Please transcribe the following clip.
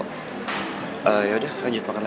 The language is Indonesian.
gue mulai pengen makan